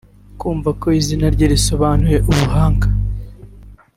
Kumva ko izina rye risobanura ubuhanga